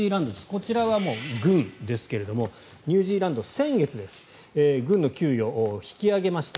こちらはもう軍ですがニュージーランド、先月です軍の給与を引き上げました。